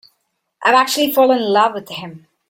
I've actually fallen in love with him.